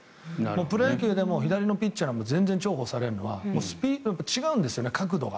プロ野球でも左のピッチャーが全然重宝されるのは違うんですよね、角度が。